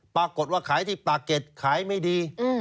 ปรากฏว่าขายที่ปากเก็ตขายไม่ดี